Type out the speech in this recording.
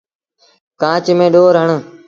کآݩچ ميݩ ڏور هڻ۔